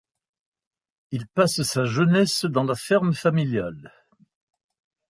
Il passe sa jeunesse dans la ferme familiale.